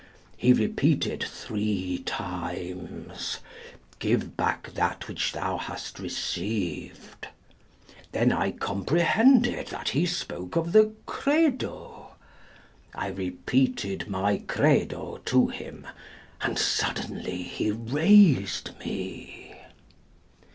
He repeated three times, 'Give back that which thou hast received.' Then I comprehended that he spoke of the credo; I repeated my credo to him, and suddenly he raised me."